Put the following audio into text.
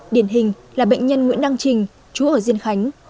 điển hình là bệnh nhân nguyễn đăng trình chú ở diên khánh